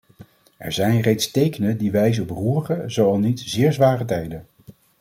Er zijn reeds tekenen die wijzen op roerige, zo al niet zeer zware, tijden.